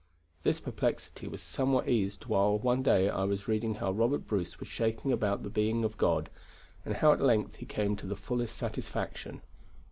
This perplexity was somewhat eased while one day I was reading how Robert Bruce was shaken about the being of God, and how at length he came to the fullest satisfaction."